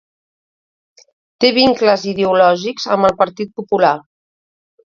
Té vincles ideològics amb el Partit Popular.